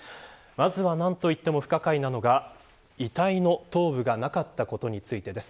まずは何と言っても不可解なのが遺体の頭部がなかったことについてです。